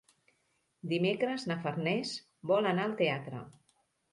Dimecres na Farners vol anar al teatre.